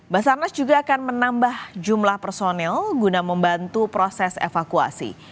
basarnas juga akan menambah jumlah personil guna membantu proses evakuasi